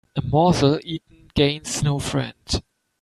A morsel eaten gains no friend.